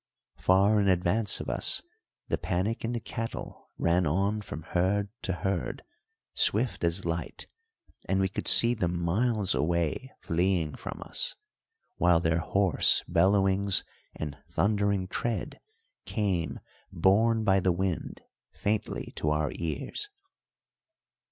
Far in advance of us the panic in the cattle ran on from herd to herd, swift as light, and we could see them miles away fleeing from us, while their hoarse bellowings and thundering tread came borne by the wind faintly to our ears.